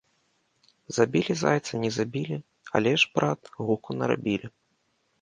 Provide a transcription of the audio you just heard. Забілі зайца, не забілі, але ж, брат, гуку нарабілі